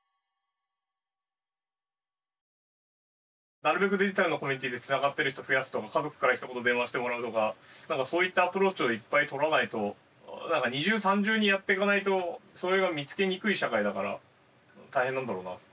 なるべくデジタルのコミュニティーでつながってる人増やすとか家族からひと言電話してもらうとかそういったアプローチをいっぱいとらないと２重３重にやってかないとそれが見つけにくい社会だから大変なんだろうなって。